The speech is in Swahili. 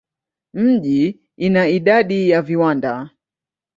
Mji ina idadi ya viwanda.